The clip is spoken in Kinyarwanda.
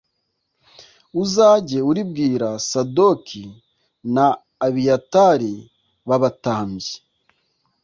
uzajye uribwira Sadoki na Abiyatari b’abatambyi.